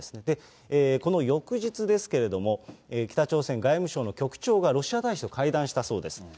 で、この翌日ですけれども、北朝鮮外務省の局長がロシア大使と会談したそうです。